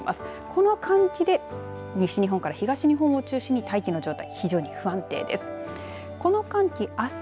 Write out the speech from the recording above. この寒気で西日本から東日本を中心に大気の状態が非常に不安定です。